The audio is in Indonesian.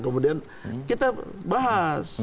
kemudian kita bahas